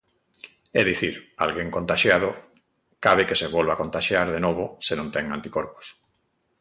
É dicir, alguén contaxiado cabe que se volva contaxiar de novo, senón ten anticorpos.